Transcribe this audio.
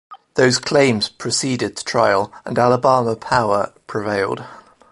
Those claims proceeded to trial, and Alabama Power prevailed.